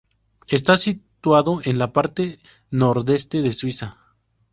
Está situado en la parte nordeste de Suiza.